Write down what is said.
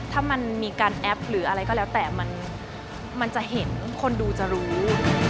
ถ้ามันมีการแอปหรืออะไรก็แล้วแต่มันจะเห็นคนดูจะรู้